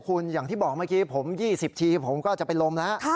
คุณอย่างที่บอกเมื่อกี้ผม๒๐ทีผมก็จะเป็นลมแล้ว